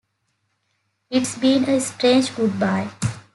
It's been a strange goodbye.